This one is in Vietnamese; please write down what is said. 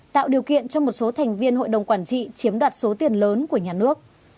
tạo điều kiện cho một số thành viên hội đồng quản trị chiếm đoạt số tiền lớn của nhà nước